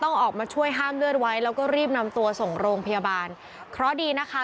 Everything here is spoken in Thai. ออกมาช่วยห้ามเลือดไว้แล้วก็รีบนำตัวส่งโรงพยาบาลเพราะดีนะคะ